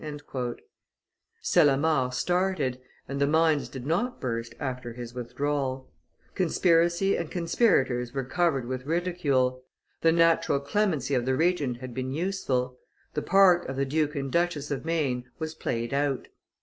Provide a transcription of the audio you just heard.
Cellamare started, and the mines did not burst after his withdrawal; conspiracy and conspirators were covered with ridicule; the natural clemency of the Regent had been useful; the part of the Duke and Duchess of Maine was played out.